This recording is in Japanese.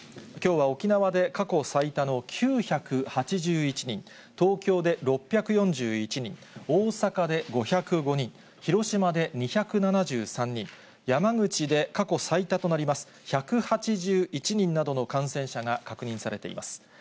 きょうは沖縄で過去最多の９８１人、東京で６４１人、大阪で５０５人、広島で２７３人、山口で過去最多となります１８１人などの感染者が確認されています。